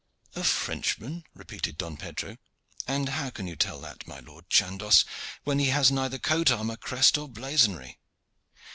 "A Frenchman!" repeated Don Pedro. "And how can you tell that, my Lord Chandos, when he has neither coat armor, crest, or blazonry?"